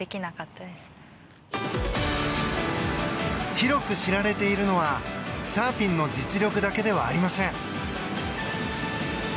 広く知られているのはサーフィンの実力だけではありません。